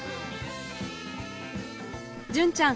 純ちゃん